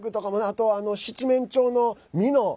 あと、七面鳥の、みの。